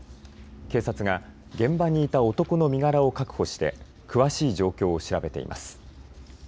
警察が、現場にいた男の身柄を確保して詳しい状況を調べています。